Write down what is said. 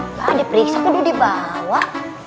mbak diperiksa kudu dibawa